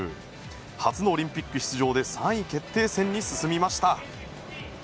初のオリンピック出場で３位決定戦に進みました。